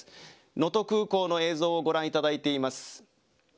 能登空港の映像をご覧いただいています。